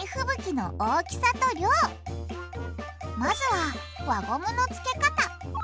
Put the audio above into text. まずは輪ゴムのつけ方。